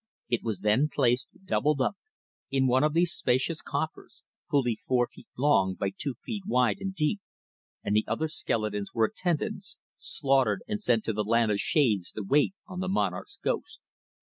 It was then placed, doubled up, in one of these spacious coffers fully four feet long by two feet wide and deep and the other skeletons were attendants, slaughtered and sent to the land of Shades to wait on the monarch's ghost.